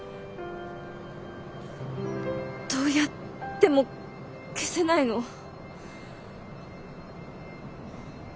どうやっても消せないの。